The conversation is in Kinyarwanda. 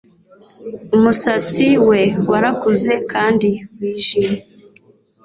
Umusatsi we warakuze kandi wijimye